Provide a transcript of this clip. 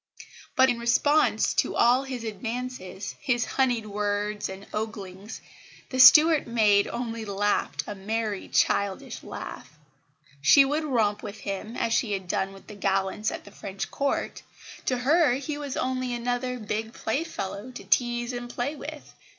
But, in response to all his advances, his honeyed words and oglings, the Stuart maid only laughed a merry childish laugh. She would romp with him, as she had done with the gallants at the French Court; to her he was only another "big playfellow" to tease and play with.